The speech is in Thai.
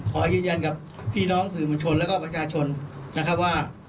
ขอยืนยันกับพี่น้องสื่อมวลชนแล้วก็ประชาชนนะครับว่า